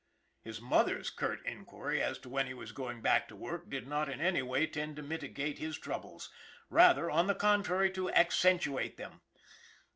His mother's curt inquiry as to when he was going back to work did not in any way tend to mitigate his troubles rather, on the contrary, to accentuate them.